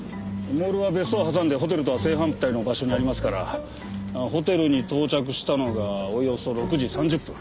モールは別荘を挟んでホテルとは正反対の場所にありますからホテルに到着したのがおよそ６時３０分。